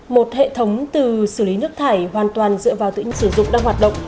một hệ thống từ xử lý nước thải hoàn toàn dựa vào tự nhiên sử dụng đang hoạt động